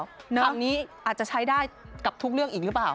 อันนี้อาจจะใช้ได้กับทุกเรื่องอีกหรือเปล่า